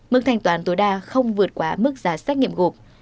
mức thanh toán tối đa không vượt quá mức giá xét nghiệm gộp